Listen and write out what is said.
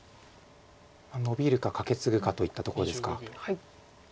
ノビるかカケツグかといったところですか。